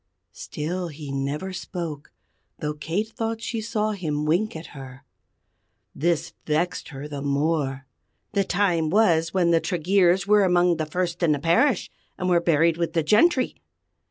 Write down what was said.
Still he never spoke, though Kate thought that she saw him wink at her. This vexed her the more. "The time was when the Tregeers were among the first in the parish, and were buried with the gentry!